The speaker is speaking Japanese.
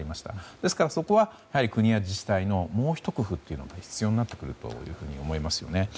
ですから、そこは国や自治体のもうひと工夫が必要になってくると思いますよね。